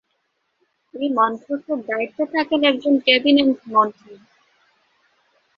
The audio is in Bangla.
এই মন্ত্রকের দায়িত্বে থাকেন একজন ক্যাবিনেট মন্ত্রী।